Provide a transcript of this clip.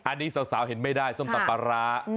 อันนี้สาวเห็นไม่ได้ส้มตำปลาร้า